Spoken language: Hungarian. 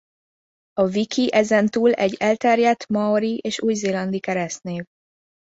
A Wiki ezen túl egy elterjedt maori és új-zélandi keresztnév.